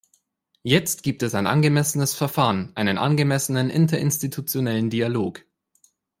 Jetzt gibt es ein angemessenes Verfahren, einen angemessenen interinstitutionellen Dialog.